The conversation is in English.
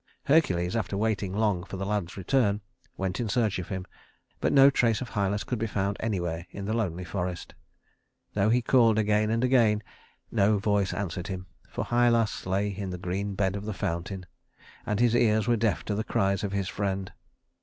Hercules, after waiting long for the lad's return, went in search of him; but no trace of Hylas could be found anywhere in the lonely forest. Though he called again and again, no voice answered him; for Hylas lay in the green bed of the fountain, and his ears were deaf to the cries of his friend.